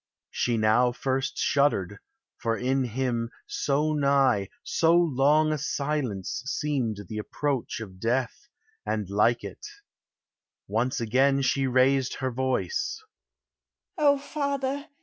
She now first shuddered; for in him, so nigh, So long a silence seemed the approach of death, And like it. Once again she raised her voice: "O father!